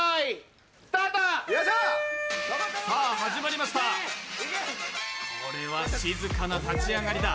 始まりました、これは静かな立ち上がりだ。